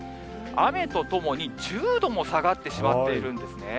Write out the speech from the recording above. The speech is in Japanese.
雨とともに１０度も下がってしまっているんですね。